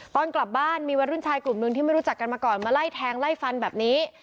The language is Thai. ตอนกลับบ้านมีวัยรุ่นชายกลุ่มหนึ่งที่ไม่รู้จักกันมาก่อนมาไล่แทงไล่ฟันแบบนี้